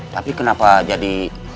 tapi kenapa jadi